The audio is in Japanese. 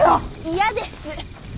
嫌です。